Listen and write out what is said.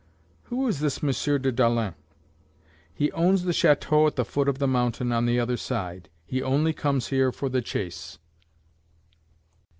"Who is this M. de Dalens?" "He owns the chateau at the foot of the mountain on the other side; he only comes here for the chase."